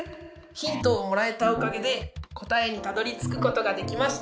ヒントをもらえたおかげで答えにたどりつくことができました。